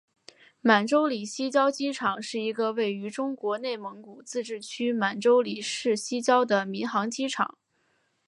满洲里西郊机场是一个位于中国内蒙古自治区满洲里市西郊的民航机场。